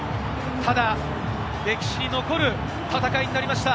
ただ歴史に残る戦いになりました。